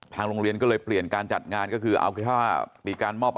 ทางโรงเรียนก็เลยเปลี่ยนการจัดงานก็คือเอาคือถ้า